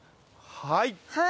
はい。